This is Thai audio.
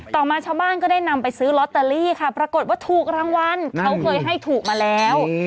ต่อมาชาวบ้านก็ได้นำไปซื้อลอตเตอรี่ค่ะปรากฏว่าถูกรางวัลเขาเคยให้ถูกมาแล้ว